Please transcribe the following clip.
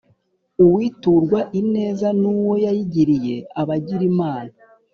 Uwiturwa ineza n’uwo yayigiriye aba agira Imana.